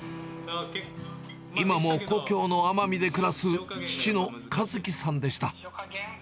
今も故郷の奄美で暮らす父の一樹さんでした。